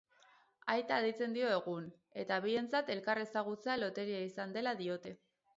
Aita deitzen dio egun, eta bientzat elkar ezagutzea loteria izan dela diote.